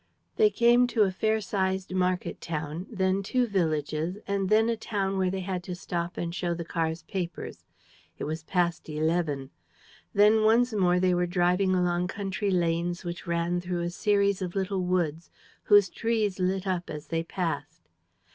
They came to a fair sized market town, then two villages and then a town where they had to stop and show the car's papers. It was past eleven. Then once more they were driving along country lanes which ran through a series of little woods whose trees lit up as they passed.